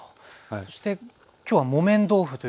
そして今日は木綿豆腐ということで。